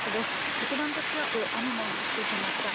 一段と強く雨が降ってきました。